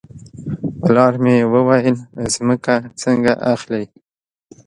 پلار مې وویل ځمکه څنګه اخلې.